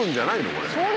これ。